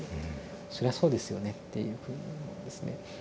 「そりゃそうですよね」っていうふうに思うんですね。